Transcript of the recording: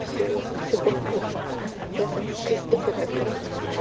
すごく優しくしてくださいました。